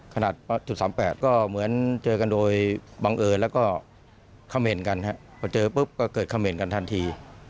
ขนาด๓๘ก็เหมือนเจอกันโดยบังเอิญแล้วก็คำเห็นกันครับพอเจอปุ๊บก็เกิดคำเห็นกันทันที